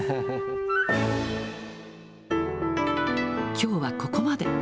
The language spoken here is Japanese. きょうはここまで。